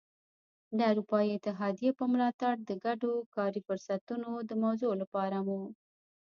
د اروپايي اتحادیې په ملاتړ د ګډو کاري فرصتونو د موضوع لپاره مو.